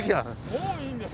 もういいんですか？